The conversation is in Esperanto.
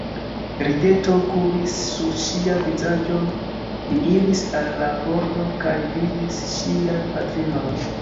Rideto kuris sur ŝia vizaĝo, mi iris al la pordo kaj vidis ŝian patrinon.